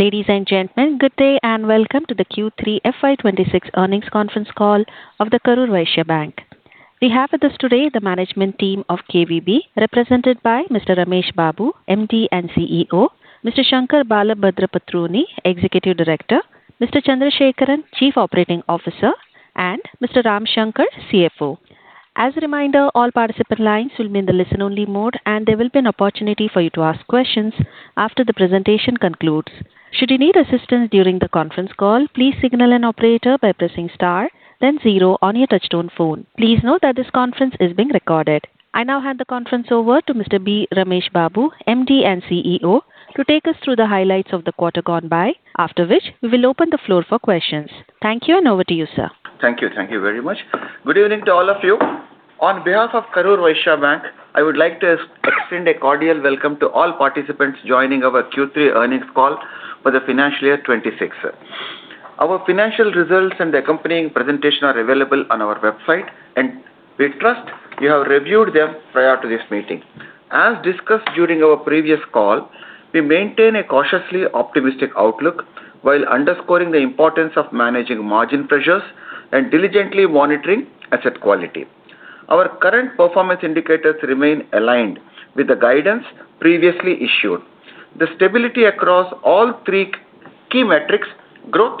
Ladies and gentlemen, good day and welcome to the Q3 FY26 earnings conference call of the Karur Vysya Bank. We have with us today the management team of KVB, represented by Mr. B. Ramesh Babu, MD and CEO. Mr. Shankar Balabhadrapatruni Executive Director. Mr. V. Chandrasekaran, Chief Operating Officer, and Mr. Ramshankar R, CFO. As a reminder, all participant lines will be in the listen-only mode, and there will be an opportunity for you to ask questions after the presentation concludes. Should you need assistance during the conference call, please signal an operator by pressing star, then zero on your touch-tone phone. Please note that this conference is being recorded. I now hand the conference over to Mr. B. Ramesh Babu, MD and CEO, to take us through the highlights of the quarter gone by, after which we will open the floor for questions. Thank you, and over to you, sir. Thank you. Thank you very much. Good evening to all of you. On behalf of Karur Vysya Bank, I would like to extend a cordial welcome to all participants joining our Q3 earnings call for the financial year 2026. Our financial results and the accompanying presentation are available on our website, and we trust you have reviewed them prior to this meeting. As discussed during our previous call, we maintain a cautiously optimistic outlook while underscoring the importance of managing margin pressures and diligently monitoring asset quality. Our current performance indicators remain aligned with the guidance previously issued. The stability across all three key metrics, growth,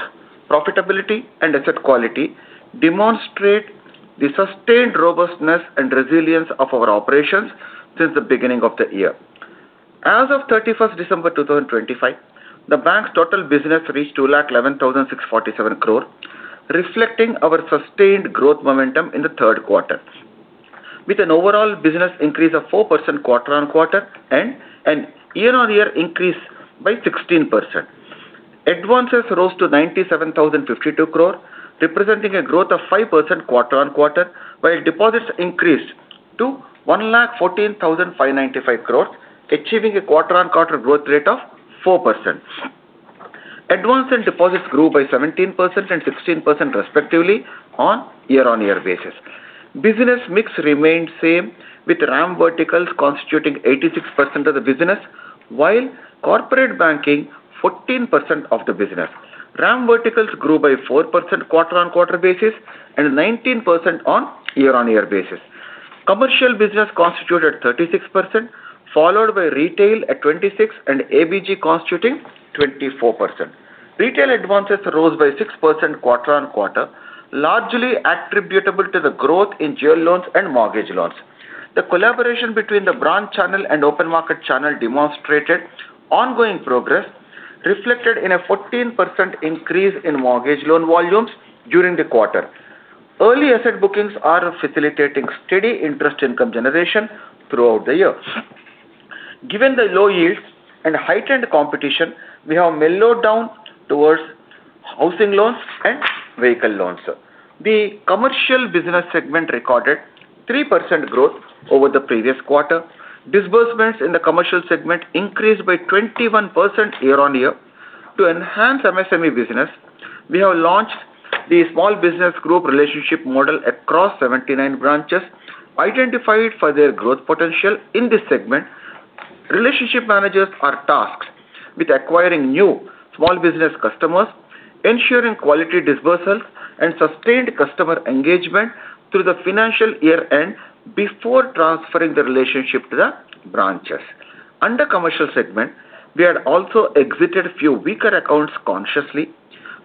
profitability, and asset quality, demonstrates the sustained robustness and resilience of our operations since the beginning of the year. As of 31st December 2025, the bank's total business reached 211,647 crore, reflecting our sustained growth momentum in the third quarter, with an overall business increase of 4% quarter-on-quarter and an year-on-year increase by 16%. Advances rose to 97,052 crore, representing a growth of 5% quarter-on-quarter, while deposits increased to 114,595 crore, achieving a quarter-on-quarter growth rate of 4%. Advance and deposits grew by 17% and 16%, respectively, on a year-on-year basis. Business mix remained same, with RAM verticals constituting 86% of the business, while corporate banking 14% of the business. RAM verticals grew by 4% quarter-on-quarter basis and 19% on a year-on-year basis. Commercial business constituted 36%, followed by retail at 26% and ABG constituting 24%. Retail advances rose by 6% quarter-on-quarter, largely attributable to the growth in jewel loans and mortgage loans. The collaboration between the branch channel and Open Market Channel demonstrated ongoing progress, reflected in a 14% increase in mortgage loan volumes during the quarter. Early asset bookings are facilitating steady interest income generation throughout the year. Given the low yields and heightened competition, we have mellowed down towards housing loans and vehicle loans. The commercial business segment recorded 3% growth over the previous quarter. Disbursements in the commercial segment increased by 21% year-on-year. To enhance MSME business, we have launched the Small Business Group relationship model across 79 branches, identified for their growth potential in this segment. Relationship managers are tasked with acquiring new small business customers, ensuring quality disbursals, and sustained customer engagement through the financial year end before transferring the relationship to the branches. Under commercial segment, we had also exited a few weaker accounts consciously.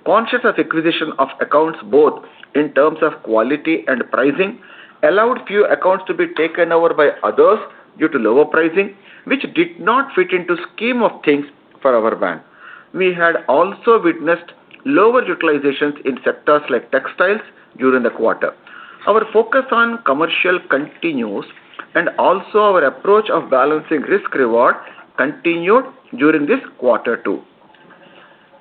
Conscious of acquisition of accounts, both in terms of quality and pricing, allowed few accounts to be taken over by others due to lower pricing, which did not fit into the scheme of things for our bank. We had also witnessed lower utilizations in sectors like textiles during the quarter. Our focus on commercial continues, and also our approach of balancing risk-reward continued during this quarter too.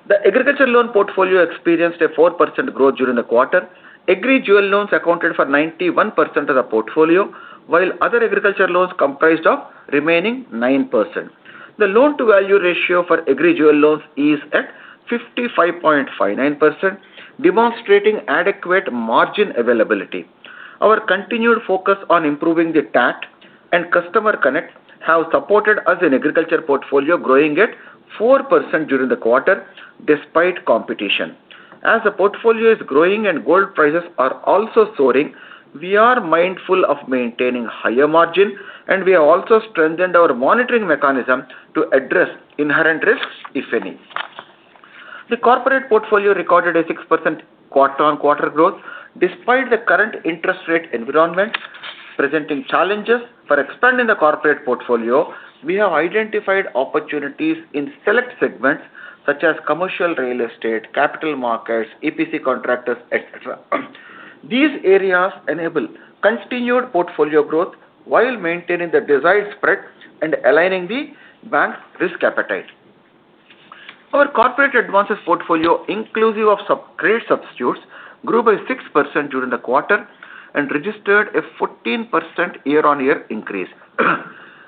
The agriculture loan portfolio experienced a 4% growth during the quarter. Agri Jewel Loans accounted for 91% of the portfolio, while other agriculture loans comprised of remaining 9%. The loan-to-value ratio for Agri Jewel Loans is at 55.59%, demonstrating adequate margin availability. Our continued focus on improving the TAT and customer connect has supported us in agriculture portfolio, growing at 4% during the quarter despite competition. As the portfolio is growing and gold prices are also soaring, we are mindful of maintaining higher margin, and we have also strengthened our monitoring mechanism to address inherent risks, if any. The corporate portfolio recorded a 6% quarter-on-quarter growth despite the current interest rate environment. Presenting challenges for expanding the corporate portfolio, we have identified opportunities in select segments such as commercial real estate, capital markets, EPC contractors, etc. These areas enable continued portfolio growth while maintaining the desired spread and aligning the bank's risk appetite. Our corporate advances portfolio, inclusive of credit substitutes, grew by 6% during the quarter and registered a 14% year-on-year increase.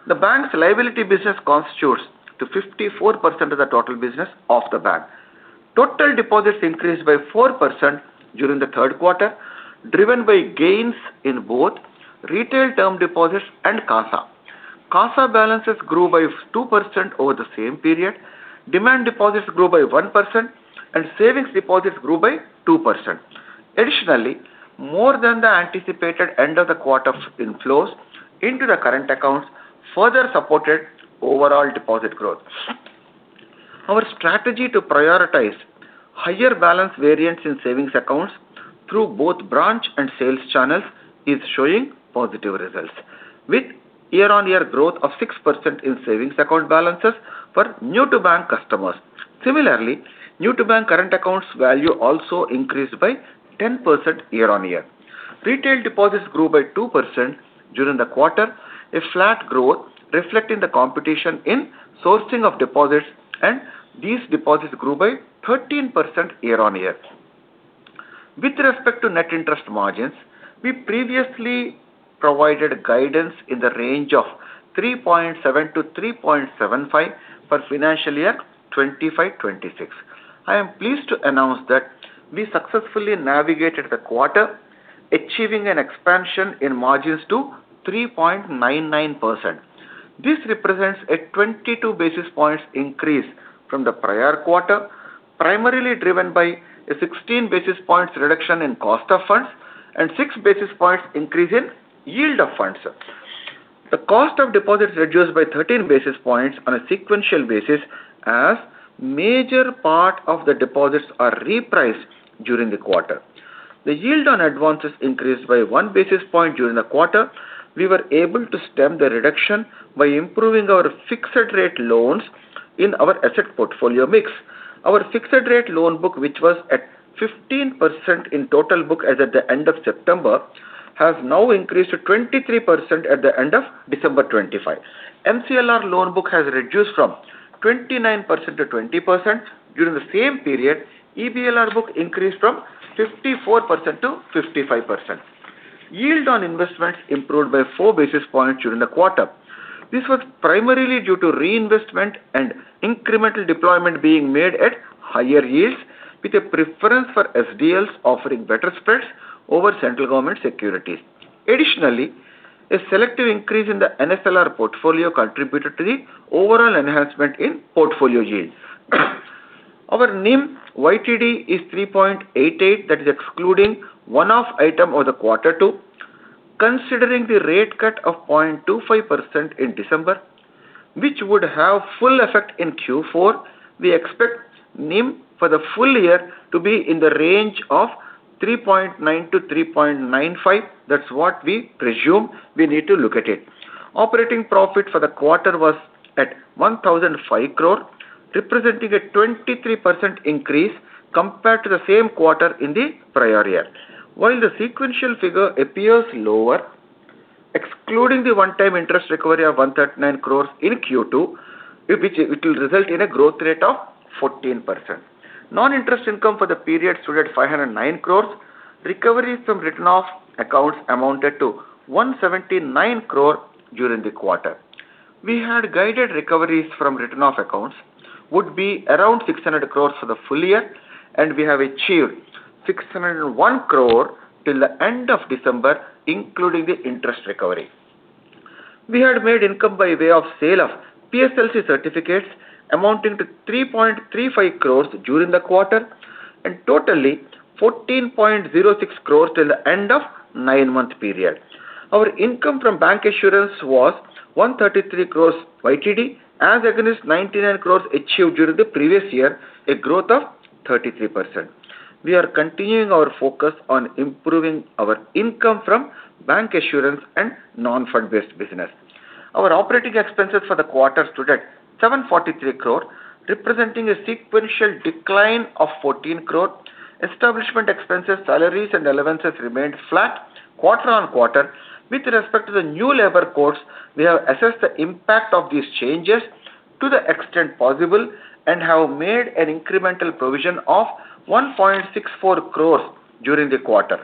The bank's liability business constitutes 54% of the total business of the bank. Total deposits increased by 4% during the third quarter, driven by gains in both retail term deposits and CASA. CASA balances grew by 2% over the same period. Demand deposits grew by 1%, and savings deposits grew by 2%. Additionally, more than the anticipated end-of-the-quarter inflows into the current accounts further supported overall deposit growth. Our strategy to prioritize higher balance variance in savings accounts through both branch and sales channels is showing positive results, with year-on-year growth of 6% in savings account balances for new-to-bank customers. Similarly, new-to-bank current accounts value also increased by 10% year-on-year. Retail deposits grew by 2% during the quarter, a flat growth reflecting the competition in sourcing of deposits, and these deposits grew by 13% year-on-year. With respect to net interest margins, we previously provided guidance in the range of 3.7%-3.75% for financial year 2025-2026. I am pleased to announce that we successfully navigated the quarter, achieving an expansion in margins to 3.99%. This represents a 22 basis points increase from the prior quarter, primarily driven by a 16 basis points reduction in cost of funds and 6 basis points increase in yield of funds. The cost of deposits reduced by 13 basis points on a sequential basis as a major part of the deposits are repriced during the quarter. The yield on advances increased by 1 basis point during the quarter. We were able to stem the reduction by improving our fixed-rate loans in our asset portfolio mix. Our fixed-rate loan book, which was at 15% in total book as at the end of September, has now increased to 23% at the end of December 2025. MCLR loan book has reduced from 29%-20% during the same period. EBLR book increased from 54%-55%. Yield on investments improved by 4 basis points during the quarter. This was primarily due to reinvestment and incremental deployment being made at higher yields, with a preference for SDLs offering better spreads over central government securities. Additionally, a selective increase in the NSLR portfolio contributed to the overall enhancement in portfolio yield. Our NIM YTD is 3.88%, that is excluding one-off item of the quarter two. Considering the rate cut of 0.25% in December, which would have full effect in Q4, we expect NIM for the full year to be in the range of 3.9%-3.95%. That's what we presume we need to look at it. Operating profit for the quarter was at 1,005 crore, representing a 23% increase compared to the same quarter in the prior year. While the sequential figure appears lower, excluding the one-time interest recovery of 139 crores in Q2, it will result in a growth rate of 14%. Non-interest income for the period stood at 509 crores. Recoveries from written-off accounts amounted to 179 crore during the quarter. We had guided recoveries from written-off accounts would be around 600 crores for the full year, and we have achieved 601 crore till the end of December, including the interest recovery. We had made income by way of sale of PSLC certificates amounting to 3.35 crores during the quarter and totally 14.06 crores till the end of the nine-month period. Our income from bancassurance was 133 crores YTD, as against 99 crores achieved during the previous year, a growth of 33%. We are continuing our focus on improving our income from bancassurance and non-fund-based business. Our operating expenses for the quarter stood at 743 crore, representing a sequential decline of 14 crore. Establishment expenses, salaries, and allowances remained flat quarter-on-quarter. With respect to the new labor codes, we have assessed the impact of these changes to the extent possible and have made an incremental provision of 1.64 crore during the quarter.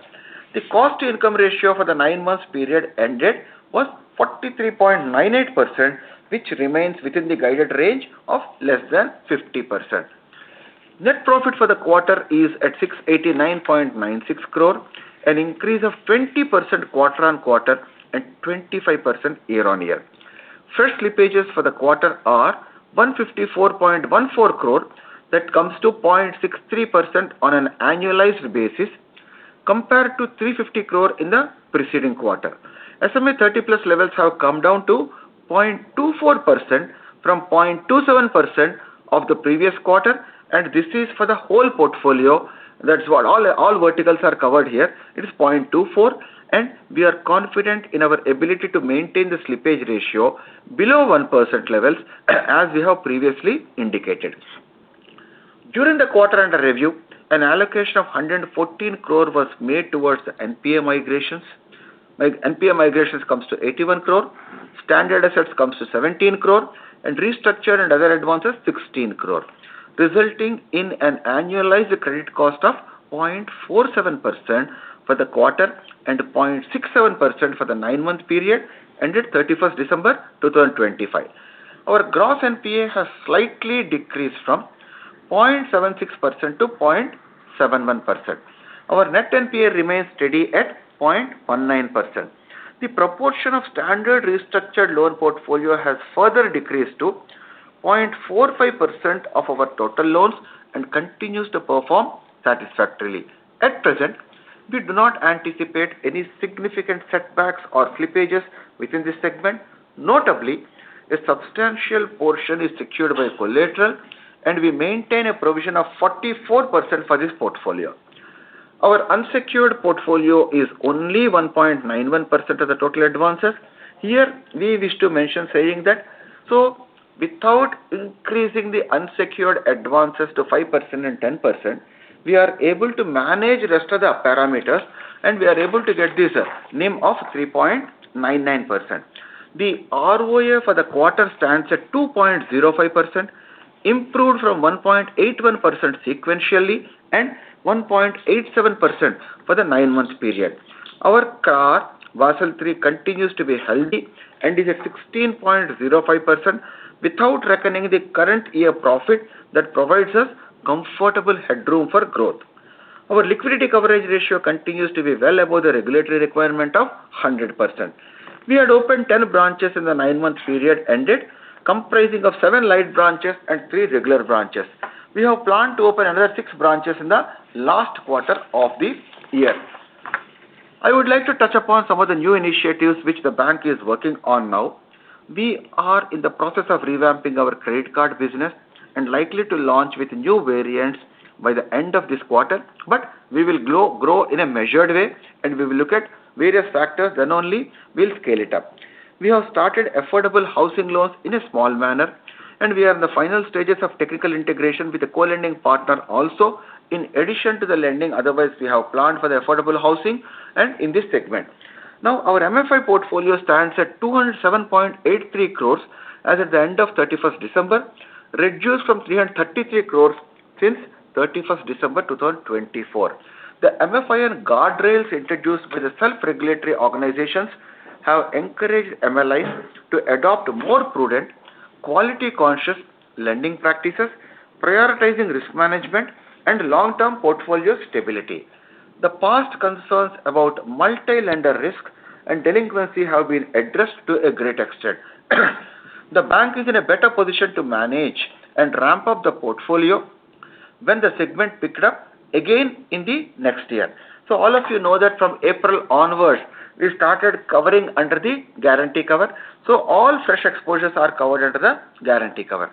The cost-to-income ratio for the nine-month period ended was 43.98%, which remains within the guided range of less than 50%. Net profit for the quarter is at 689.96 crore, an increase of 20% quarter-on-quarter and 25% year-on-year. Fresh slippages for the quarter are 154.14 crore, that comes to 0.63% on an annualized basis compared to 350 crore in the preceding quarter. SMA levels have come down to 0.24% from 0.27% of the previous quarter, and this is for the whole portfolio. That's what all verticals are covered here. It is 0.24, and we are confident in our ability to maintain the slippage ratio below 1% levels, as we have previously indicated. During the quarter-end review, an allocation of 114 crore was made towards the NPA migrations. NPA migrations comes to 81 crore, standard assets comes to 17 crore, and restructured and other advances 16 crore, resulting in an annualized credit cost of 0.47% for the quarter and 0.67% for the nine-month period ended December 31st 2025. Our gross NPA has slightly decreased from 0.76%-0.71%. Our net NPA remains steady at 0.19%. The proportion of standard restructured loan portfolio has further decreased to 0.45% of our total loans and continues to perform satisfactorily. At present, we do not anticipate any significant setbacks or slippages within this segment. Notably, a substantial portion is secured by collateral, and we maintain a provision of 44% for this portfolio. Our unsecured portfolio is only 1.91% of the total advances. Here, we wish to mention saying that, so without increasing the unsecured advances to 5% and 10%, we are able to manage the rest of the parameters, and we are able to get this NIM of 3.99%. The ROA for the quarter stands at 2.05%, improved from 1.81% sequentially and 1.87% for the nine-month period. Our capital, Basel III, continues to be healthy and is at 16.05% without reckoning the current year profit that provides us comfortable headroom for growth. Our liquidity coverage ratio continues to be well above the regulatory requirement of 100%. We had opened 10 branches in the nine-month period ended, comprising of seven Lite branches and three regular branches. We have planned to open another 6 branches in the last quarter of the year. I would like to touch upon some of the new initiatives which the bank is working on now. We are in the process of revamping our credit card business and likely to launch with new variants by the end of this quarter, but we will grow in a measured way, and we will look at various factors then only we'll scale it up. We have started affordable housing loans in a small manner, and we are in the final stages of technical integration with the co-lending partner also in addition to the lending. Otherwise, we have planned for the affordable housing and in this segment. Now, our MFI portfolio stands at 207.83 crore as at the end of December 31st, reduced from 333 crore since December 31st 2024. The MFI and guardrails introduced by the self-regulatory organizations have encouraged MLIs to adopt more prudent, quality-conscious lending practices, prioritizing risk management and long-term portfolio stability. The past concerns about multi-lender risk and delinquency have been addressed to a great extent. The bank is in a better position to manage and ramp up the portfolio when the segment picked up again in the next year. So all of you know that from April onwards, we started covering under the guarantee cover. So all fresh exposures are covered under the guarantee cover.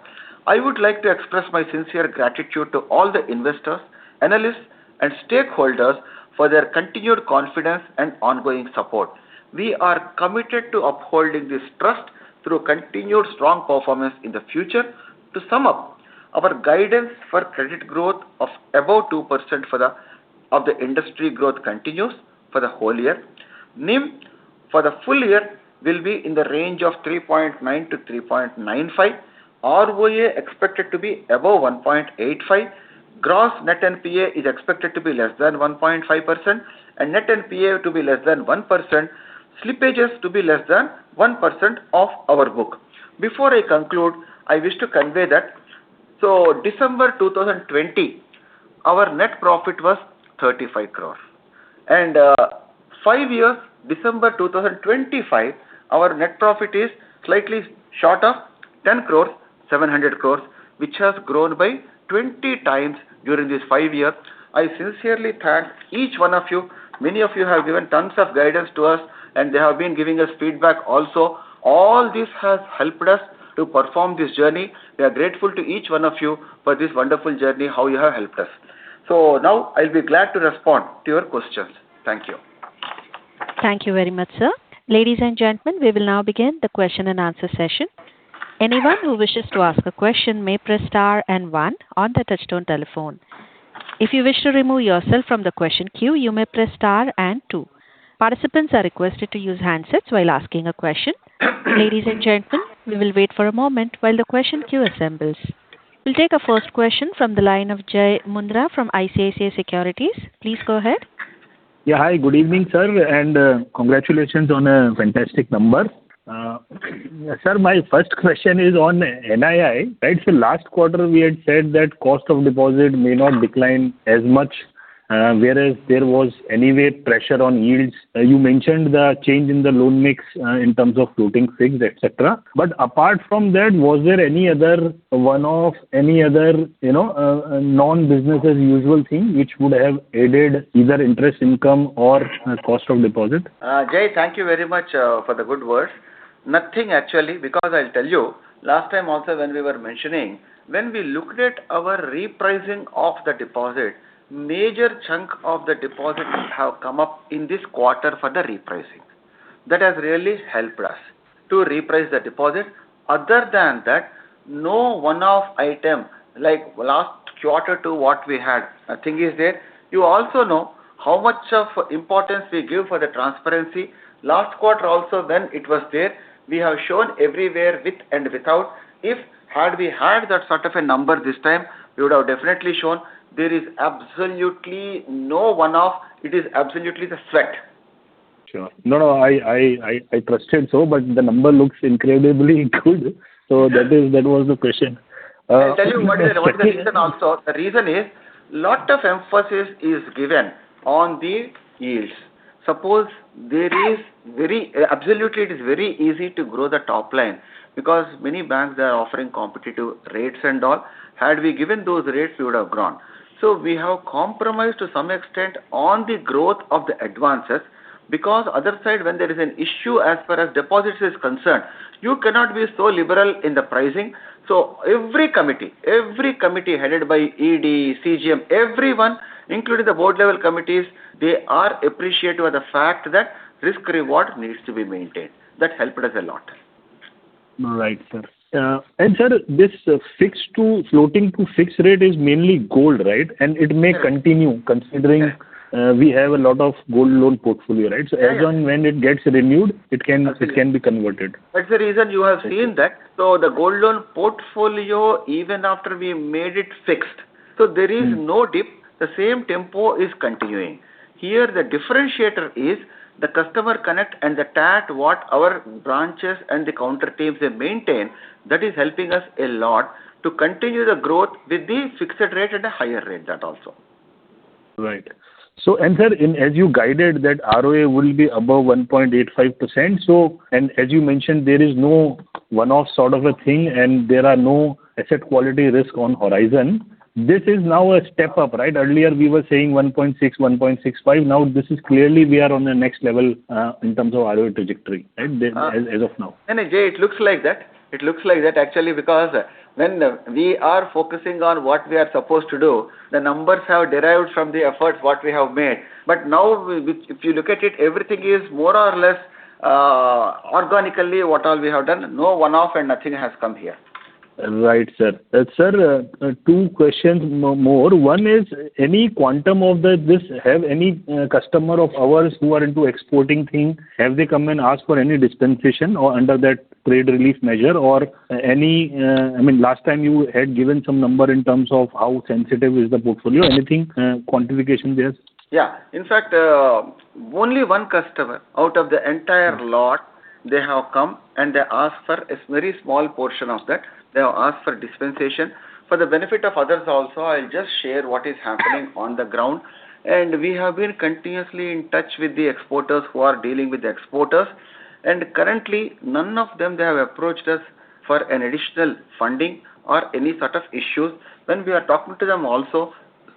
I would like to express my sincere gratitude to all the investors, analysts, and stakeholders for their continued confidence and ongoing support. We are committed to upholding this trust through continued strong performance in the future. To sum up, our guidance for credit growth of above 2% for the industry growth continues for the whole year. NIM for the full year will be in the range of 3.9%-3.95%. ROA expected to be above 1.85%. Gross net NPA is expected to be less than 1.5% and net NPA to be less than 1%. Slippages to be less than 1% of our book. Before I conclude, I wish to convey that. So December 2020, our net profit was 135 crore. And five years, December 2025, our net profit is slightly short of 10 crore, 700 crore, which has grown by 20x during these five years. I sincerely thank each one of you. Many of you have given tons of guidance to us, and they have been giving us feedback also. All this has helped us to perform this journey. We are grateful to each one of you for this wonderful journey, how you have helped us. So now I'll be glad to respond to your questions. Thank you. Thank you very much, sir. Ladies and gentlemen, we will now begin the question and answer session. Anyone who wishes to ask a question may press star and one on the touch-tone telephone. If you wish to remove yourself from the question queue, you may press star and two. Participants are requested to use handsets while asking a question. Ladies and gentlemen, we will wait for a moment while the question queue assembles. We'll take a first question from the line of Jai Mundra from ICICI Securities. Please go ahead. Yeah, hi, good evening, sir, and congratulations on a fantastic number. Sir, my first question is on NII, right? So last quarter, we had said that cost of deposit may not decline as much, whereas there was anyway pressure on yields. You mentioned the change in the loan mix in terms of floating fixed, etc. But apart from that, was there any other one of any other non-business as usual thing which would have aided either interest income or cost of deposit? Jai, thank you very much for the good words. Nothing actually, because I'll tell you, last time also when we were mentioning, when we looked at our repricing of the deposit, a major chunk of the deposit has come up in this quarter for the repricing. That has really helped us to reprice the deposit. Other than that, no one-off item like last quarter to what we had. I think is there. You also know how much of importance we give for the transparency. Last quarter also, when it was there, we have shown everywhere with and without. If had we had that sort of a number this time, we would have definitely shown. There is absolutely no one-off. It is absolutely the sweat. Sure. No, no, I trusted so, but the number looks incredibly good. So that was the question. I'll tell you what the reason also. The reason is a lot of emphasis is given on the yields. Suppose there is very absolutely, it is very easy to grow the top line because many banks are offering competitive rates and all. Had we given those rates, we would have grown. So we have compromised to some extent on the growth of the advances because other side, when there is an issue as far as deposits is concerned, you cannot be so liberal in the pricing. So every committee, every committee headed by ED, CGM, everyone, including the Board level committees, they are appreciated by the fact that risk-reward needs to be maintained. That helped us a lot. Right, sir. And sir, this fixed to floating to fixed rate is mainly gold, right? And it may continue considering we have a lot of gold loan portfolio, right? So as and when it gets renewed, it can be converted. That's the reason you have seen that. So the gold loan portfolio, even after we made it fixed, so there is no dip. The same tempo is continuing. Here, the differentiator is the customer connect and the TAT what our branches and the counter staff they maintain. That is helping us a lot to continue the growth with the fixed rate at a higher rate that also. Right. So, and sir, as you guided that ROA will be above 1.85%. So, and as you mentioned, there is no one-off sort of a thing, and there are no asset quality risk on horizon. This is now a step up, right? Earlier, we were saying 1.6, 1.65. Now, this is clearly we are on the next level in terms of ROA trajectory, right? As of now. No, Jai, it looks like that. It looks like that actually because when we are focusing on what we are supposed to do, the numbers have derived from the efforts what we have made. But now, if you look at it, everything is more or less organically what all we have done. No one-off and nothing has come here. Right, sir. Sir, two questions more. One is, any quantum of this have any customer of ours who are into exporting thing, have they come and asked for any dispensation or under that trade relief measure or any? I mean, last time you had given some number in terms of how sensitive is the portfolio. Anything quantification there? Yeah. In fact, only one customer out of the entire lot, they have come and they asked for a very small portion of that. They have asked for dispensation. For the benefit of others also, I'll just share what is happening on the ground. We have been continuously in touch with the exporters who are dealing with the exporters. Currently, none of them they have approached us for an additional funding or any sort of issues. When we are talking to them also,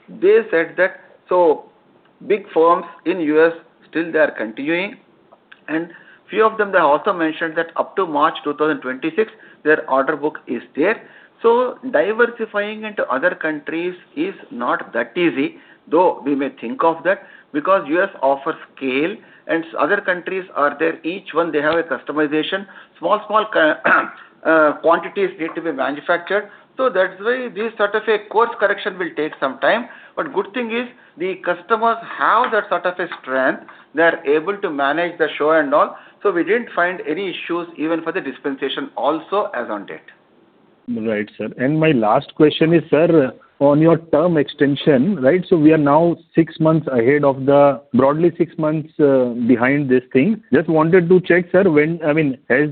they said that so big firms in the U.S. still they are continuing. Few of them they also mentioned that up to March 2026, their order book is there. So diversifying into other countries is not that easy, though we may think of that because U.S. offers scale and other countries are there. Each one they have a customization. Small, small quantities need to be manufactured. So that's why this sort of a course correction will take some time. But good thing is the customers have that sort of a strength. They are able to manage the show and all. So we didn't find any issues even for the dispensation also as on date. Right, sir. And my last question is, sir, on your term extension, right? So we are now six months ahead of the broadly six months behind this thing. Just wanted to check, sir, when I mean, has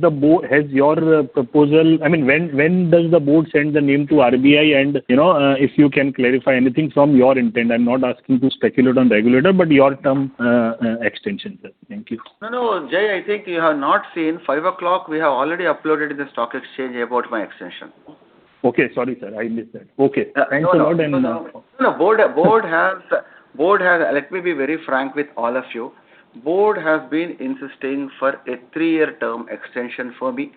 your proposal, I mean, when does the board send the name to RBI and if you can clarify anything from your intent? I'm not asking to speculate on regulator, but your term extension, sir. Thank you. No, no, Jay, I think you have not seen 5:00 P.M. We have already uploaded in the stock exchange about my extension. Okay, sorry, sir. I missed that. Okay. Thanks a lot. Board has, let me be very frank with all of you. Board has been insisting for a three-year term extension for me.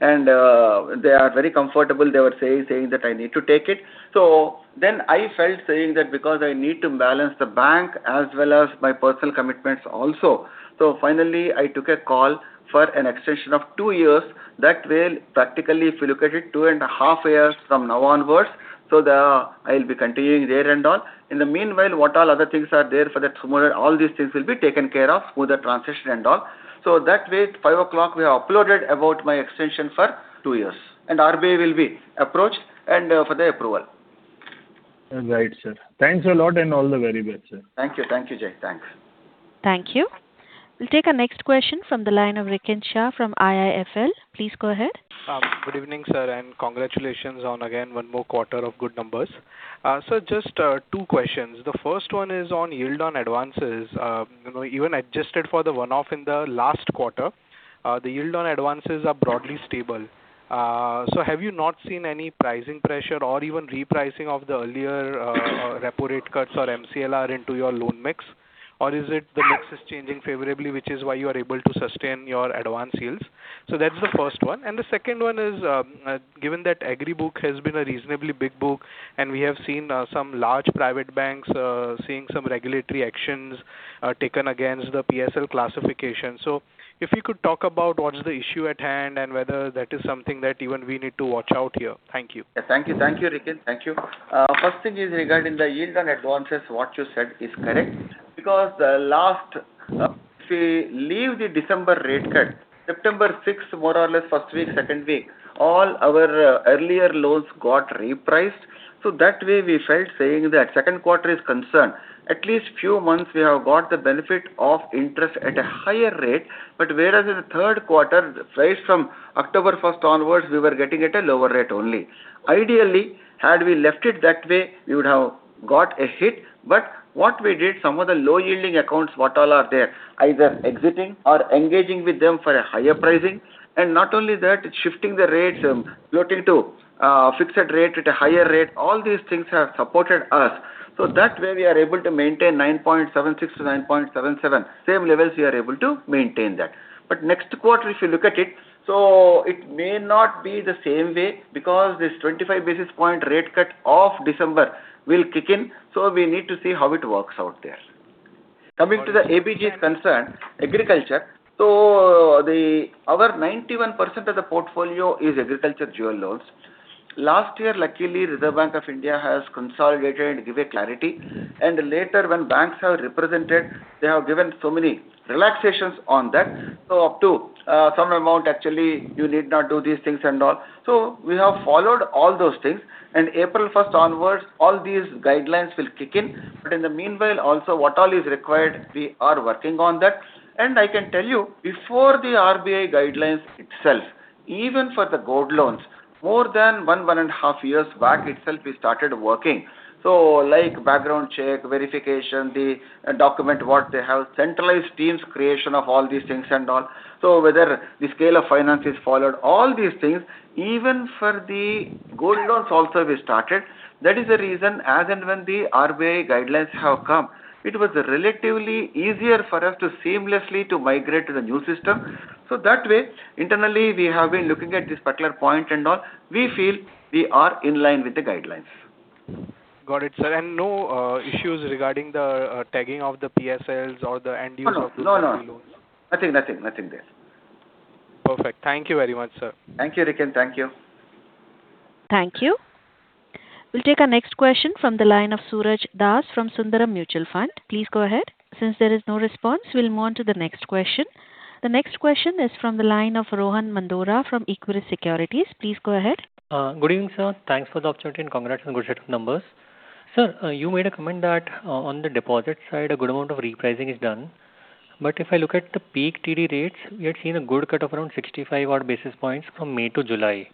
And they are very comfortable. They were saying that I need to take it. So then I felt saying that because I need to balance the bank as well as my personal commitments also. So finally, I took a call for an extension of two years. That way, practically, if you look at it, 2.5 years from now onwards. So I'll be continuing there and all. In the meanwhile, what all other things are there for that smoother, all these things will be taken care of, smoother transition and all. So that way, 5:00 P.M., we have uploaded about my extension for two years. And RBI will be approached for the approval. Right, sir. Thanks a lot and all the very best, sir. Thank you. Thank you, Jay. Thanks. Thank you. We'll take a next question from the line of Rikin Shah from IIFL. Please go ahead. Good evening, sir, and congratulations on again one more quarter of good numbers. Sir, just two questions. The first one is on yield on advances. Even adjusted for the one-off in the last quarter, the yield on advances are broadly stable. So have you not seen any pricing pressure or even repricing of the earlier repo rate cuts or MCLR into your loan mix? Or is it the mix is changing favorably, which is why you are able to sustain your advance yields? So that's the first one. And the second one is, given that the Agri book has been a reasonably big book, and we have seen some large private banks seeing some regulatory actions taken against the PSL classification. So if you could talk about what's the issue at hand and whether that is something that even we need to watch out here. Thank you. Thank you. Thank you, Rikin. Thank you. First thing is regarding the yield on advances, what you said is correct. Because last, if we leave the December rate cut, September 6th, more or less, first week, second week, all our earlier loans got repriced. So that way, we felt saying that second quarter is concerned. At least few months, we have got the benefit of interest at a higher rate. But whereas in the third quarter, right from October 1st onwards, we were getting at a lower rate only. Ideally, had we left it that way, we would have got a hit. But what we did, some of the low-yielding accounts, what all are there, either exiting or engaging with them for a higher pricing. And not only that, shifting the rates, floating to fixed rate at a higher rate, all these things have supported us. So that way, we are able to maintain 9.76%-9.77%, same levels we are able to maintain that. But next quarter, if you look at it, so it may not be the same way because this 25 basis point rate cut of December will kick in. So we need to see how it works out there. Coming to the ABG's concern, agriculture. So our 91% of the portfolio is Agri Jewel oans. Last year, luckily, Reserve Bank of India has consolidated and given clarity. Later, when banks have represented, they have given so many relaxations on that. Up to some amount, actually, you need not do these things and all. We have followed all those things. April 1st onwards, all these guidelines will kick in. But in the meanwhile, also, what all is required, we are working on that. I can tell you, before the RBI guidelines itself, even for the gold loans, more than 1.5 years back itself, we started working. Like background check, verification, the document what they have, centralized teams, creation of all these things and all. Whether the scale of finance is followed, all these things, even for the gold loans also we started. That is the reason as and when the RBI guidelines have come, it was relatively easier for us to seamlessly migrate to the new system. So that way, internally, we have been looking at this particular point and all. We feel we are in line with the guidelines. Got it, sir. And no issues regarding the tagging of the PSLs or the end use of the loans? No, no, no. Nothing, nothing, nothing there. Perfect. Thank you very much, sir. Thank you, Rikin. Thank you. Thank you. We'll take our next question from the line of Suraj Das from Sundaram Mutual Fund. Please go ahead. Since there is no response, we'll move on to the next question. The next question is from the line of Rohan Mandora from Equirus Securities. Please go ahead. Good evening, sir. Thanks for the opportunity and congratulations on good set of numbers. Sir, you made a comment that on the deposit side, a good amount of repricing is done. But if I look at the peak TD rates, we had seen a good cut of around 65-odd basis points from May to July.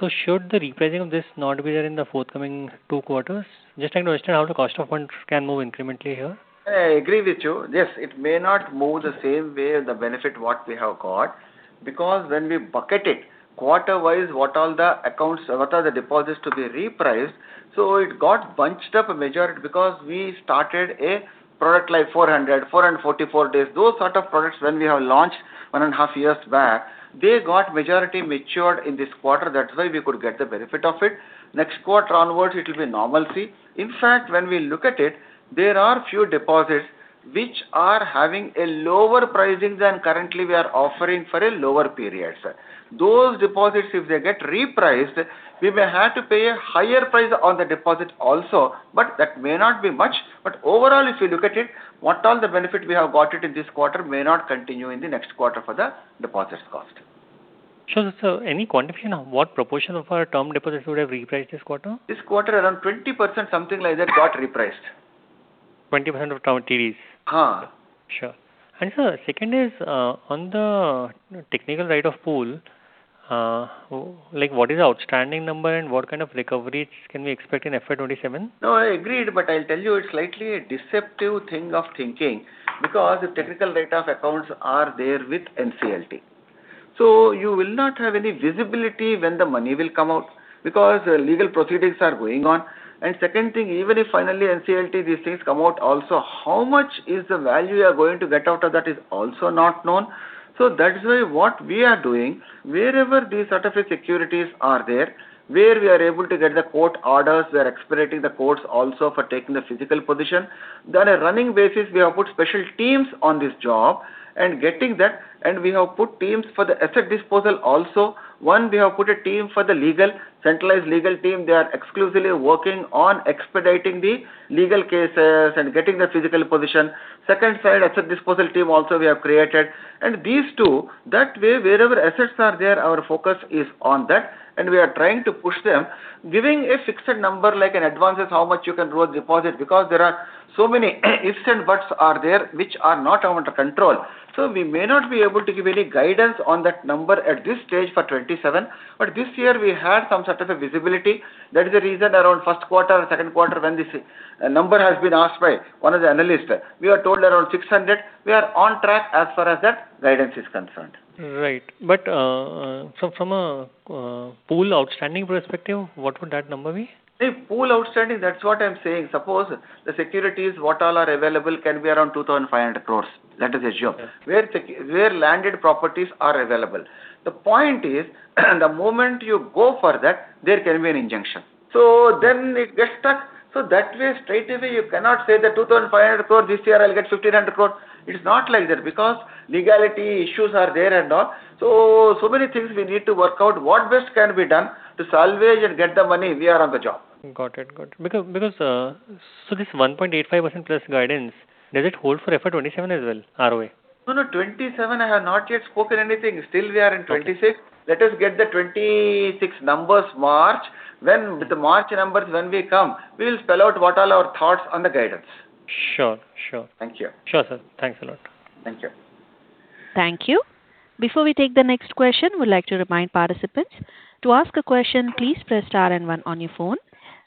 So should the repricing of this not be there in the forthcoming two quarters? Just trying to understand how the cost of funds can move incrementally here. I agree with you. Yes, it may not move the same way the benefit what we have got because when we bucket it quarter-wise, what all the accounts, what are the deposits to be repriced. So it got bunched up a majority because we started a product like 400, 444 days. Those sort of products when we have launched one and a half years back, they got majority matured in this quarter. That's why we could get the benefit of it. Next quarter onwards, it will be normalcy. In fact, when we look at it, there are few deposits which are having a lower pricing than currently we are offering for a lower period. Those deposits, if they get repriced, we may have to pay a higher price on the deposit also, but that may not be much. But overall, if you look at it, what all the benefit we have got it in this quarter may not continue in the next quarter for the deposits cost. Sure, sir. Any quantification of what proportion of our term deposits would have repriced this quarter? This quarter, around 20% something like that got repriced. 20% of term TDs? Sure. And sir, second is on the technical write-off pool, what is the outstanding number and what kind of recoveries can we expect in FY 2027? No, I agree, but I'll tell you it's slightly a deceptive thing of thinking because the technical write-off of accounts are there with NCLT. So you will not have any visibility when the money will come out because legal proceedings are going on. And second thing, even if finally NCLT, these things come out also, how much is the value you are going to get out of that is also not known. So that's why what we are doing, wherever these sort of securities are there, where we are able to get the court orders, we are expediting the courts also for taking the physical position. On a running basis, we have put special teams on this job and getting that, and we have put teams for the asset disposal also. One, we have put a team for the legal, centralized legal team. They are exclusively working on expediting the legal cases and getting the physical possession. Second side, asset disposal team also we have created. And these two, that way, wherever assets are there, our focus is on that, and we are trying to push them, giving a fixed number like an advance is how much you can deposit because there are so many ifs and buts are there which are not under control. So we may not be able to give any guidance on that number at this stage for 2027, but this year we had some sort of a visibility. That is the reason around first quarter, second quarter, when this number has been asked by one of the analysts, we were told around 600. We are on track as far as that guidance is concerned. Right. But from a pool outstanding perspective, what would that number be? Pool outstanding, that's what I'm saying. Suppose the securities what all are available can be around 2,500 crore. Let us assume. Where landed properties are available. The point is, the moment you go for that, there can be an injunction. So then it gets stuck. So that way, straight away, you cannot say that 2,500 crore, this year I'll get 1,500 crore. It's not like that because legality issues are there and all. So many things we need to work out what best can be done to salvage and get the money. We are on the job. Got it. Got it. So this 1.85%+ guidance, does it hold for FY 2027 as well, ROA? No, no. 2027, I have not yet spoken anything. Still, we are in 2026. Let us get the 2026 numbers March. When with the March numbers, when we come, we will spell out what all our thoughts on the guidance. Sure. Sure. Thank you. Sure, sir. Thanks a lot. Thank you. Thank you. Before we take the next question, we'd like to remind participants to ask a question. Please press star and one on your phone.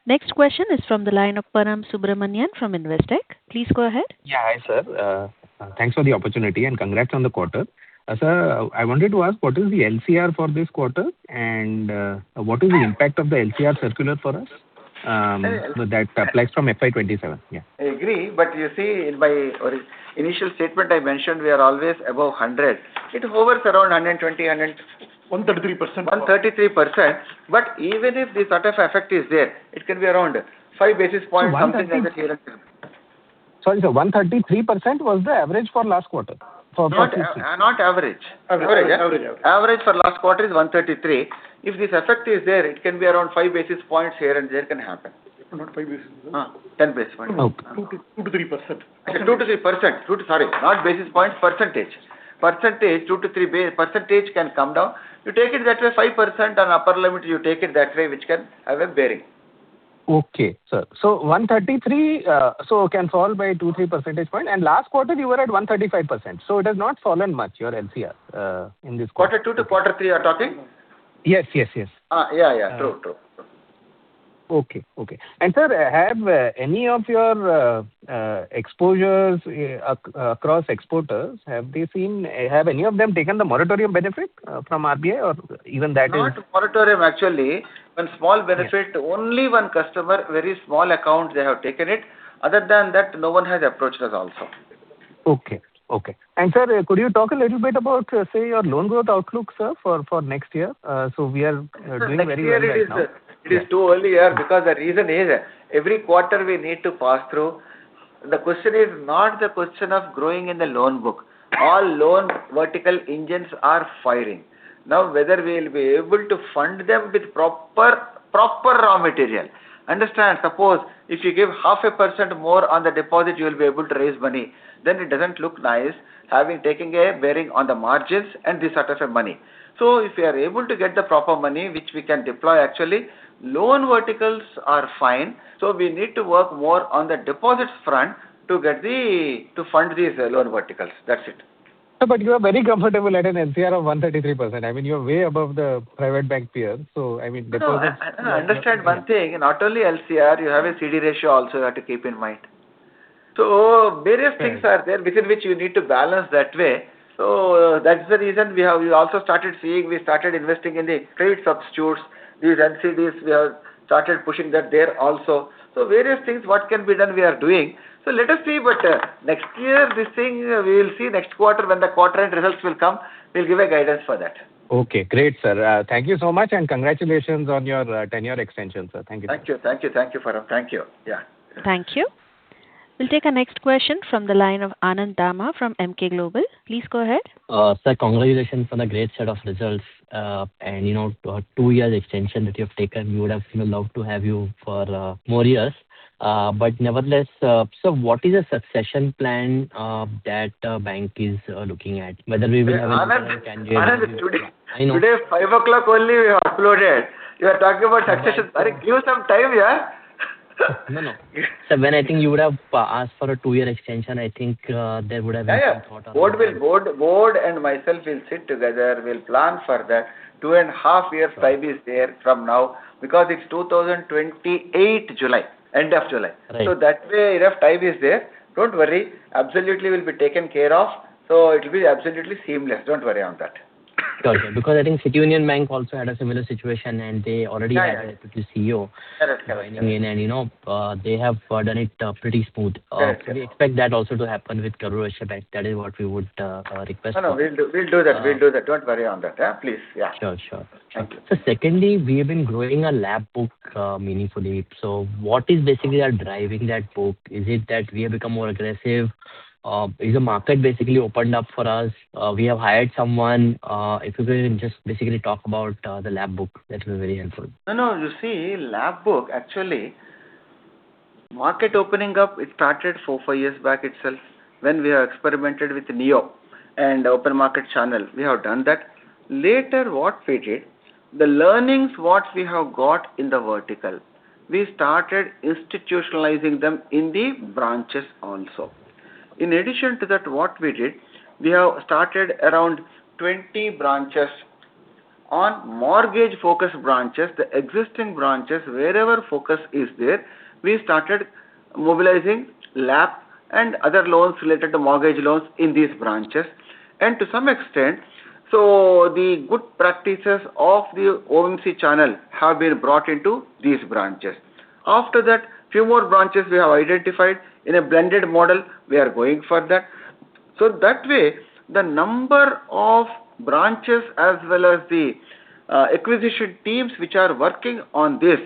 Next question is from the line of Param Subramanian from Investec. Please go ahead. Yeah, hi sir. Thanks for the opportunity and congrats on the quarter. Sir, I wanted to ask what is the LCR for this quarter and what is the impact of the LCR circular for us? That applies from FY 2025. Yeah. I agree. But you see, in my initial statement, I mentioned we are always above 100. It hovers around 120%, 133%. 133%. But even if this sort of effect is there, it can be around five basis points something like that here and there. Sorry, sir. 133% was the average for last quarter. Not average. Average, yeah. Average for last quarter is 133%. If this effect is there, it can be around 5 basis points here and there can happen. Not 5basis points. 10 basis points. 2%-3%. 2%-3%. Sorry, not basis points, percentage. Percentage, 2%-3% can come down. You take it that way, 5% on upper limit, you take it that way, which can have a bearing. Okay, sir. So 133%, so can fall by 2-3 percentage points. And last quarter, you were at 135%. So it has not fallen much, your LCR in this quarter. Quarter two to quarter three, you are talking? Yes, yes, yes. Yeah, yeah. True, true. Okay, okay. And sir, have any of your exposures across exporters, have they seen, have any of them taken the moratorium benefit from RBI or even that is? Not moratorium, actually. One small benefit, only one customer, very small account, they have taken it. Other than that, no one has approached us also. Okay, okay. And sir, could you talk a little bit about, say, your loan growth outlook, sir, for next year? So we are doing very well. Next year, it is too early because the reason is every quarter we need to pass through. The question is not the question of growing in the loan book. All loan vertical engines are firing. Now, whether we will be able to fund them with proper raw material. Understand, suppose if you give 0.5% more on the deposit, you will be able to raise money. Then it doesn't look nice having taken a bearing on the margins and this sort of money. So if we are able to get the proper money, which we can deploy, actually, loan verticals are fine. So we need to work more on the deposits front to fund these loan verticals. That's it. But you are very comfortable at an LCR of 133%. I mean, you have a CD ratio also you have to keep in mind. So various things are there within which you need to balance that way. So that's the reason we also started seeing, we started investing in the credit substitutes, these NCDs, we have started pushing that there also. So various things, what can be done, we are doing. So let us see, but next year, this thing, we will see next quarter when the quarter-end results will come, we'll give a guidance for that. Okay, great, sir. Thank you so much and congratulations on your tenure extension, sir. Thank you. Thank you. Thank you, Param. Thank you. Yeah. Thank you. We'll take our next question from the line of Anand Dama from Emkay Global. Please go ahead. Sir, congratulations for the great set of results. And two-year extension that you have taken, we would have loved to have you for more years. But nevertheless, sir, what is the succession plan that the bank is looking at? Whether we will have a tenure. Anand, today, 5:00 PM only, we have uploaded. You are talking about succession. Give us some time, yeah? No, no. Sir, when I think you would have asked for a two-year extension, I think there would have been some thought on that. Board and myself will sit together, we'll plan for that. 2.5 years, time is there from now because it's 2028, July, end of July. So that way, if time is there, don't worry, absolutely will be taken care of. So it will be absolutely seamless. Don't worry on that. Because I think City Union Bank also had a similar situation and they already had a CEO in and they have done it pretty smooth. We expect that also to happen with Karur Vysya Bank. That is what we would request. No, no, we'll do that. We'll do that. Don't worry on that, please. Yeah. Sure, sure. Thank you. So secondly, we have been growing a loan book meaningfully. So what is basically driving that book? Is it that we have become more aggressive? Is the market basically opened up for us? We have hired someone. If you can just basically talk about the LAP book, that will be very helpful. No, no. You see, LAP book, actually, market opening up, it started four, five years back itself when we have experimented with Niyo and Open Market Channel. We have done that. Later, what we did, the learnings what we have got in the vertical, we started institutionalizing them in the branches also. In addition to that, what we did, we have started around 20 branches on mortgage-focused branches, the existing branches, wherever focus is there, we started mobilizing LAP and other loans related to mortgage loans in these branches. And to some extent, so the good practices of the OMC Channel have been brought into these branches. After that, few more branches we have identified in a blended model. We are going for that. So that way, the number of branches as well as the acquisition teams which are working on this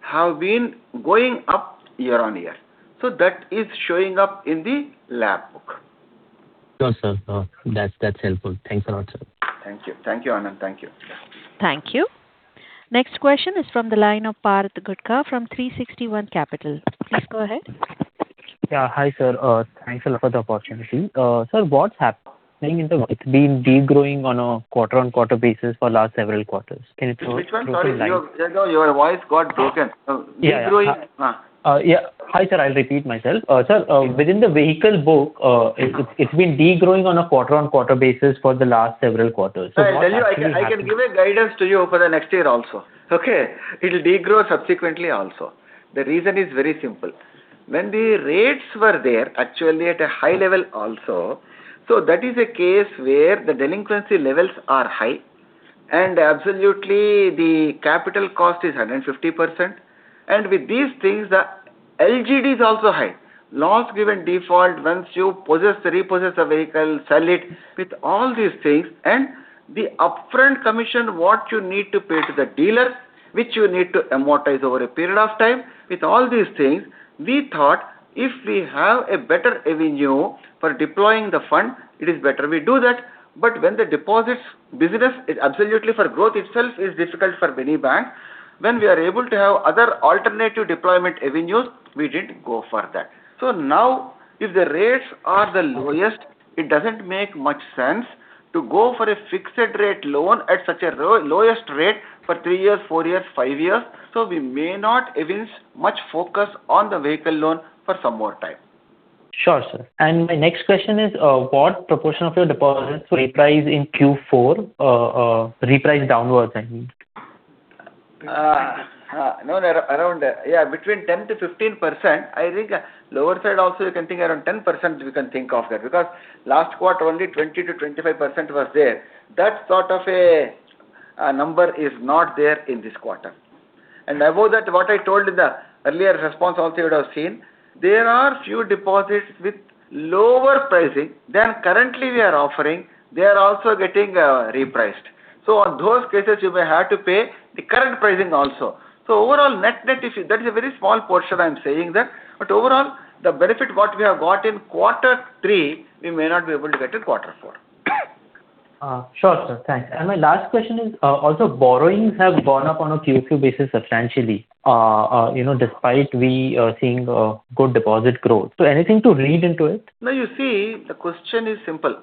have been going up year on year. So that is showing up in the loan book. Sure, sir. That's helpful. Thanks a lot, sir. Thank you. Thank you, Anand. Thank you. Thank you. Next question is from the line of Parth Gutka from 360 ONE Capital. Please go ahead. Yeah, hi, sir. Thanks a lot for the opportunity. Sir, what's happening in the. It's been degrowing on a quarter-on-quarter basis for the last several quarters. Can you tell us the line? You know, your voice got broken. Degrowing. Yeah. Hi, sir, I'll repeat myself. Sir, within the vehicle book, it's been degrowing on a quarter-on-quarter basis for the last several quarters. I'll tell you, I can give you guidance to you for the next year also. Okay. It will degrow subsequently also. The reason is very simple. When the rates were there, actually at a high level also, so that is a case where the delinquency levels are high. Absolutely the capital cost is 150%. With these things, the LGD is also high. Loss given default, once you possess, repossess a vehicle, sell it. With all these things and the upfront commission, what you need to pay to the dealer, which you need to amortize over a period of time, with all these things, we thought if we have a better avenue for deploying the fund, it is better we do that. But when the deposits business is absolutely for growth itself is difficult for many banks, when we are able to have other alternative deployment avenues, we didn't go for that. So now, if the rates are the lowest, it doesn't make much sense to go for a fixed-rate loan at such a lowest rate for three years, four years, five years. So we may not evince much focus on the vehicle loan for some more time. Sure, sir. And my next question is, what proportion of your deposits reprise in Q4? Reprise downwards, I mean. No, around, yeah, between 10%-15%. I think lower side also, you can think around 10%, you can think of that. Because last quarter, only 20%-25% was there. That sort of a number is not there in this quarter. Above that, what I told in the earlier response also, you would have seen, there are few deposits with lower pricing than currently we are offering. They are also getting repriced. So on those cases, you may have to pay the current pricing also. So overall, net net, that is a very small portion I'm saying that. But overall, the benefit what we have got in quarter three, we may not be able to get in quarter four. Sure, sir. Thanks. And my last question is, also borrowings have gone up on a Q2 basis substantially, despite we seeing good deposit growth. So anything to read into it? No, you see, the question is simple.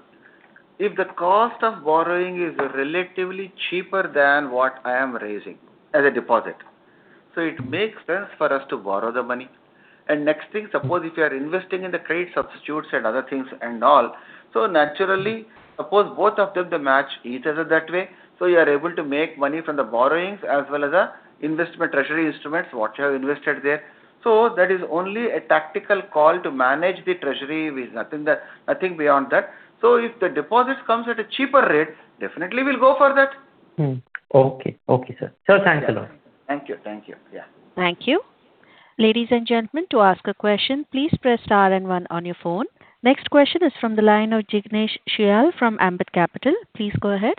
If the cost of borrowing is relatively cheaper than what I am raising as a deposit, so it makes sense for us to borrow the money. And next thing, suppose if you are investing in the credit substitutes and other things and all, so naturally, suppose both of them match each other that way. So you are able to make money from the borrowings as well as investment treasury instruments, what you have invested there. So that is only a tactical call to manage the treasury with nothing beyond that. So if the deposits comes at a cheaper rate, definitely we'll go for that. Okay, okay, sir. Sir, thanks a lot. Thank you. Thank you. Yeah. Thank you. Ladies and gentlemen, to ask a question, please press star and one on your phone. Next question is from the line of Jignesh Shyal from Ambit Capital. Please go ahead.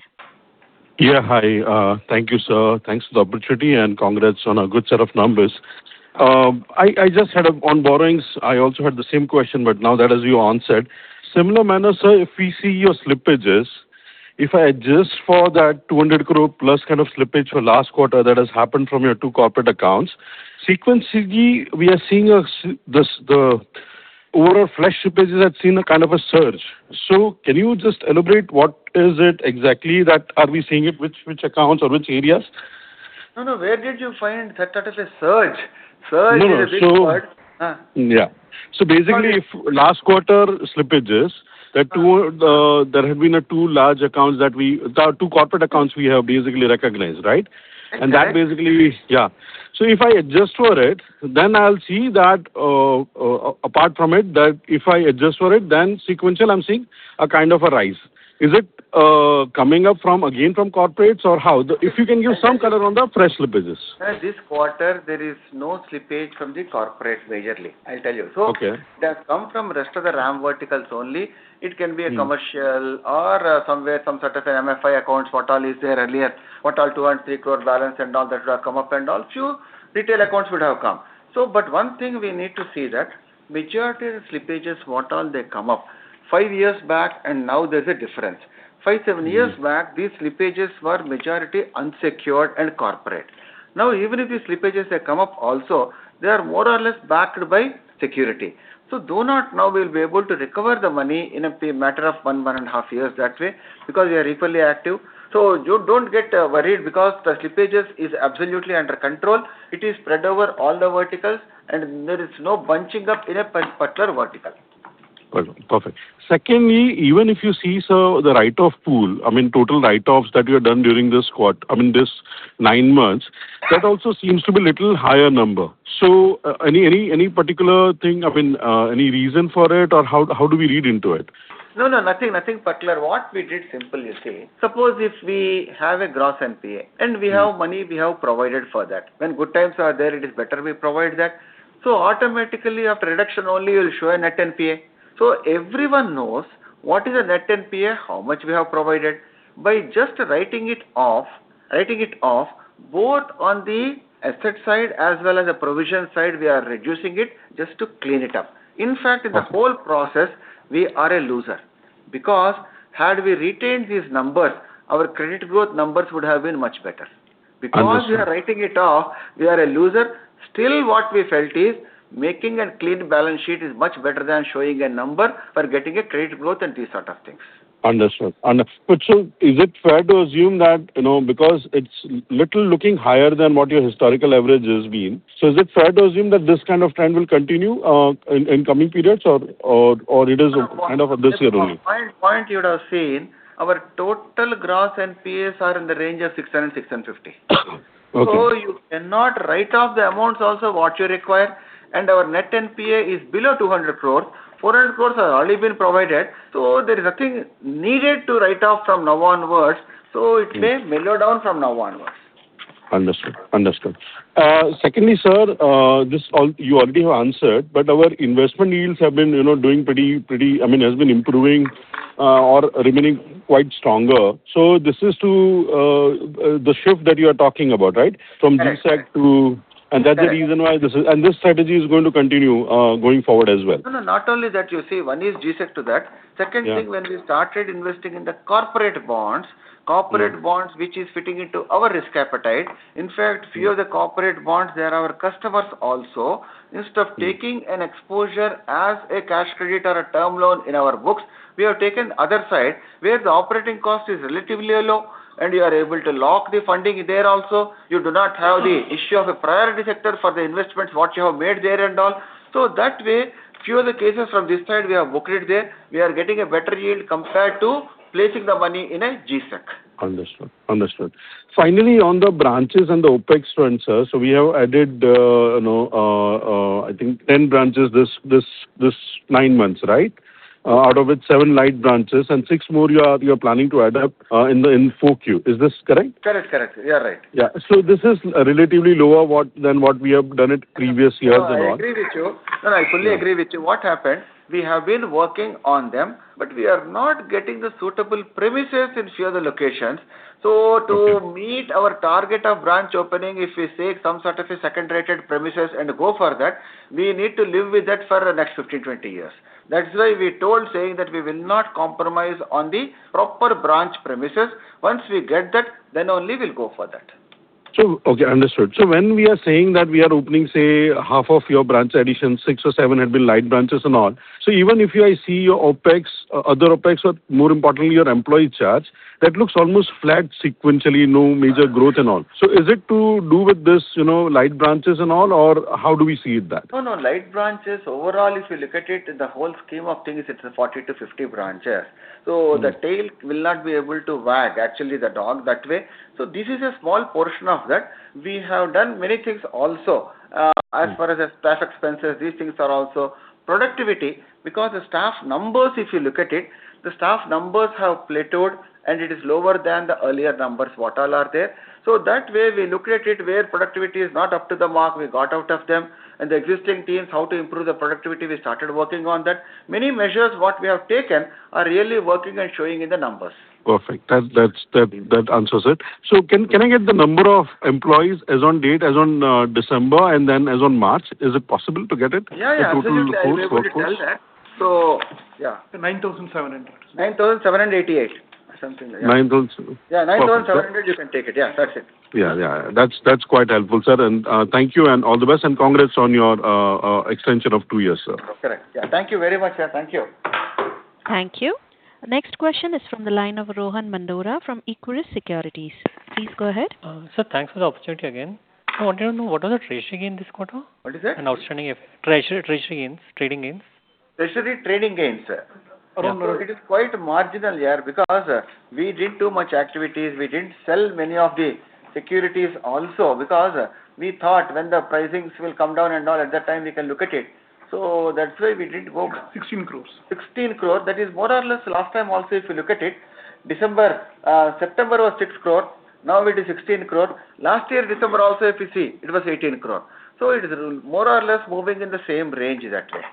Yeah, hi. Thank you, sir. Thanks for the opportunity and congrats on a good set of numbers. I just had on borrowings. I also had the same question, but now that as you answered. Similar manner, sir, if we see your slippages, if I adjust for that 200 crore plus kind of slippage for last quarter that has happened from your two corporate accounts, sequentially, we are seeing the overall flash slippages have seen a kind of a surge. So can you just elaborate what is it exactly that are we seeing it, which accounts or which areas? No, no. Where did you find that sort of a surge? Surge is a big word. Yeah. So basically, last quarter slippages, there have been two large accounts that we two corporate accounts we have basically recognized, right? And that basically, yeah. So if I adjust for it, then I'll see that apart from it, that if I adjust for it, then sequential, I'm seeing a kind of a rise. Is it coming up again from corporates or how? If you can give some color on the fresh slippages. This quarter, there is no slippage from the corporate majorly, I'll tell you. So it has come from rest of the RAM verticals only. It can be a commercial or somewhere some sort of an MFI accounts, what all is there earlier, what all 2 crore and 3 crore balances and all that would have come up and all few retail accounts would have come. But one thing we need to see that majority of the slippages, what all they come up. Five years back and now there's a difference. Five, seven years back, these slippages were majority unsecured and corporate. Now, even if these slippages have come up also, they are more or less backed by security. So do not now we'll be able to recover the money in a matter of one, 1.5 years that way because we are equally active. So don't get worried because the slippages is absolutely under control. It is spread over all the verticals and there is no bunching up in a particular vertical. Perfect. Secondly, even if you see, sir, the write-off pool, I mean, total write-offs that we have done during this quarter, I mean, this nine months, that also seems to be a little higher number. So any particular thing, I mean, any reason for it or how do we read into it? No, no, nothing particular. What we did simply is say, suppose if we have a gross NPA and we have money we have provided for that. When good times are there, it is better we provide that. So automatically, after reduction only, we'll show a net NPA. So everyone knows what is a net NPA, how much we have provided. By just writing it off, writing it off, both on the asset side as well as the provision side, we are reducing it just to clean it up. In fact, in the whole process, we are a loser. Because had we retained these numbers, our credit growth numbers would have been much better. Because we are writing it off, we are a loser. Still, what we felt is making a clean balance sheet is much better than showing a number for getting a credit growth and these sort of things. Understood. But so, is it fair to assume that because it's little looking higher than what your historical average has been, so is it fair to assume that this kind of trend will continue in coming periods or it is kind of this year only? Point you would have seen, our total gross NPAs are in the range of 600 crore- 650 crore. So you cannot write off the amounts also what you require. And our net NPA is below 200 crore. 400 crore have already been provided. So there is nothing needed to write off from now onwards. So it may mellow down from now onwards. Understood. Understood. Secondly, sir, you already have answered, but our investment deals have been doing pretty, I mean, has been improving or remaining quite stronger. So this is to the shift that you are talking about, right? From G-Sec to, and that's the reason why this is, and this strategy is going to continue going forward as well. No, no, not only that, you see, one is G-Sec to that. Second thing, when we started investing in the corporate bonds, corporate bonds, which is fitting into our risk appetite. In fact, few of the corporate bonds, there are our customers also. Instead of taking an exposure as a cash credit or a term loan in our books, we have taken other side where the operating cost is relatively low and you are able to lock the funding there also. You do not have the issue of a priority sector for the investments what you have made there and all. So that way, few of the cases from this side we have booked it there. We are getting a better yield compared to placing the money in a G-Sec. Understood. Understood. Finally, on the branches and the OpEx trends, sir, so we have added, I think, 10 branches this nine months, right? Out of it, seven Lite branches and six more you are planning to add up in 4Q. Is this correct? Correct. Correct. You are right. Yeah. So this is relatively lower than what we have done it previous years and all. I agree with you. No, I fully agree with you. What happened, we have been working on them, but we are not getting the suitable premises in few of the locations. So to meet our target of branch opening, if we say some sort of a second-rate premises and go for that, we need to live with that for the next 15-20 years. That's why we told saying that we will not compromise on the proper branch premises. Once we get that, then only we'll go for that. So, okay, understood. So when we are saying that we are opening, say, half of your branch addition, six or seven had been Lite branches and all. So even if you see your OpEx, other OpEx, but more importantly, your employee charge, that looks almost flat sequentially, no major growth and all. So is it to do with these Lite branches and all, or how do we see that? No, no, Lite branches, overall, if you look at it, the whole scheme of things, it's 40-50 branches. So the tail will not be able to wag, actually, the dog that way. So this is a small portion of that. We have done many things also, as far as staff expenses. These things are also productivity because the staff numbers, if you look at it, the staff numbers have plateaued and it is lower than the earlier numbers what all are there. So that way, we looked at it where productivity is not up to the mark, we got out of them, and the existing teams, how to improve the productivity, we started working on that. Many measures what we have taken are really working and showing in the numbers. Perfect. That answers it. So can I get the number of employees as on date, as on December, and then as on March? Is it possible to get it? Yeah, yeah. So yeah, 9,700. 9,788 or something. Yeah, 9,700, you can take it. Yeah, that's it. Yeah, yeah. That's quite helpful, sir. And thank you and all the best and congrats on your extension of two years, sir. Correct. Yeah. Thank you very much, sir. Thank you. Thank you. Next question is from the line of Rohan Mandora from Equirus Securities. Please go ahead. Sir, thanks for the opportunity again. I wanted to know what was the treasury gain this quarter? What is it? And outstanding treasury gains, trading gains. Treasury trading gains, sir. It is quite marginal, yeah, because we did too much activities. We didn't sell many of the securities also because we thought when the pricings will come down and all, at that time, we can look at it. So that's why we didn't go. 16 crore. 16 crore. That is more or less last time also, if you look at it, September was 6 crore. Now it is 16 crore. Last year, December also, if you see, it was 18 crore. So it is more or less moving in the same range that way.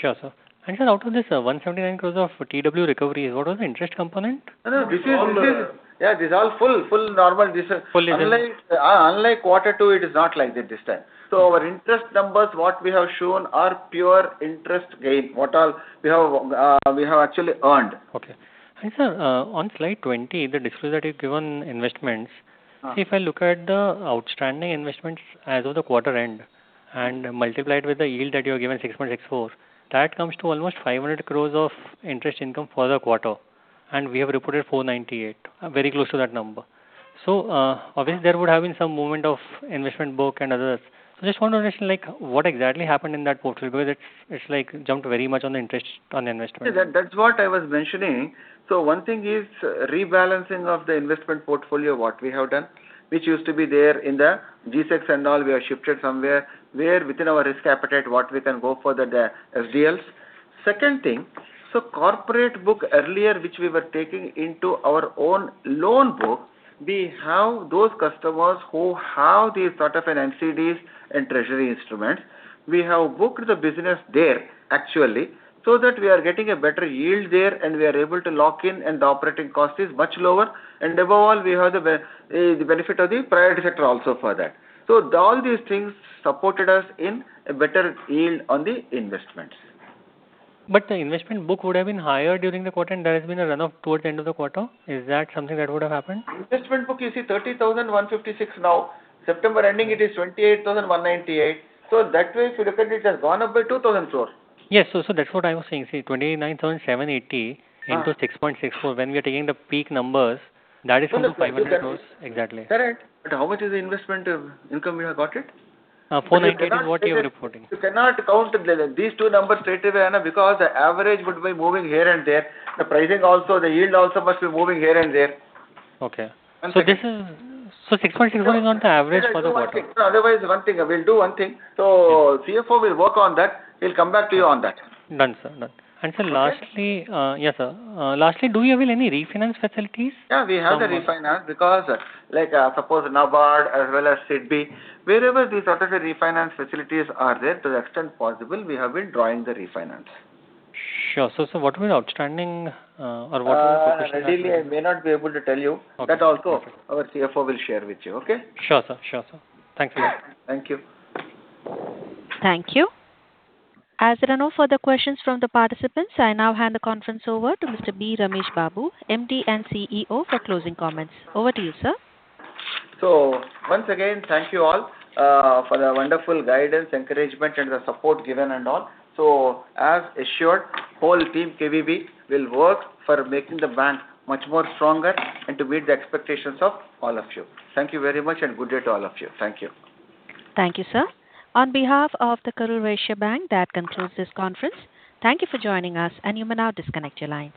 Sure, sir. And sir, out of this 179 crore of TW recovery, what was the interest component? No, no. This is, yeah, this is all full, full normal. Unlike quarter two, it is not like that this time. So our interest numbers, what we have shown, are pure interest gain what all we have actually earned. Okay. And sir, on slide 20, the disclosure that you've given investments, see, if I look at the outstanding investments as of the quarter end and multiplied with the yield that you have given 6.64%, that comes to almost 500 crore of interest income for the quarter. And we have reported 498 crore, very close to that number. So obviously, there would have been some movement of investment book and others. So just want to mention what exactly happened in that portfolio because it's jumped very much on the interest on the investment. That's what I was mentioning. So one thing is rebalancing of the investment portfolio what we have done, which used to be there in the G-Secs and all, we have shifted somewhere where within our risk appetite, what we can go for the SDLs. Second thing, so corporate book earlier, which we were taking into our own loan book, we have those customers who have these sort of NCDs and treasury instruments. We have booked the business there, actually, so that we are getting a better yield there and we are able to lock in and the operating cost is much lower. And above all, we have the benefit of the priority sector also for that. So all these things supported us in a better yield on the investments. But the investment book would have been higher during the quarter and there has been a run-off toward the end of the quarter. Is that something that would have happened? Investment book, you see 30,156 now. September ending, it is 28,198. So that way, if you look at it, it has gone up by 2,000 crores. Yes. So that's what I was saying, see, 29,780 into 6.64 when we are taking the peak numbers, that is INR 500 crores. Exactly. Correct. But how much is the investment income we have got it? 498 is what you are reporting. You cannot count these two numbers straight away because the average would be moving here and there. The pricing also, the yield also must be moving here and there. Okay. So this is 6.64 on the average for the quarter. Otherwise, one thing, we'll do one thing. So CFO will work on that. We'll come back to you on that. Done, sir. Done. And sir, lastly, yes, sir, lastly, do you have any refinance facilities? Yeah, we have the refinance because like suppose NABARD as well as SIDBI, wherever these sort of refinance facilities are there, to the extent possible, we have been drawing the refinance. Sure. So what will be the outstanding or what will be the quantum? Ideally, I may not be able to tell you that also. Our CFO will share with you, okay? Sure, sir. Sure, sir. Thank you. Thank you. Thank you. As there are no further questions from the participants, I now hand the conference over to Mr. B. Ramesh Babu, MD and CEO for closing comments. Over to you, sir. So once again, thank you all for the wonderful guidance, encouragement, and the support given and all. So as assured, whole team KVB will work for making the bank much more stronger and to meet the expectations of all of you. Thank you very much and good day to all of you. Thank you. Thank you, sir. On behalf of the Karur Vysya Bank, that concludes this conference. Thank you for joining us, and you may now disconnect your lines.